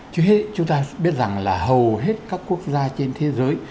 trước hết chúng ta biết rằng là hầu hết các quốc gia trên thế giới